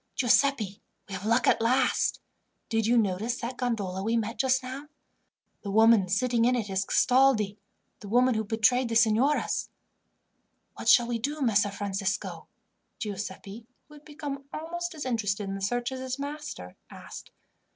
"Giuseppi, we have luck at last. Did you notice that gondola we met just now? The woman sitting in it is Castaldi, the woman who betrayed the signoras." "What shall we do, Messer Francisco?" Giuseppi, who had become almost as interested in the search as his master, asked.